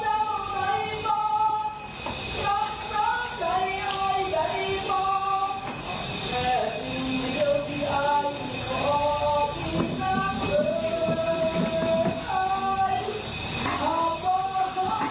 ยังคิดขอเจ้าไว้บ้างจักรใจไว้ใดบ้าง